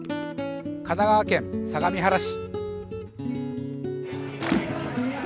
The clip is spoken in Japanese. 神奈川県相模原市。